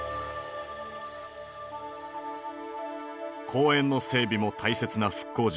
公園の整備も大切な復興事業。